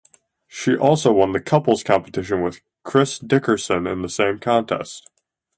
She also won the couples competition with Chris Dickerson in the same contest.